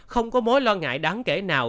không có mối lo ngại đáng kể nào